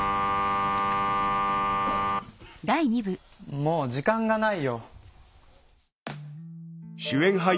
もう時間がないよ。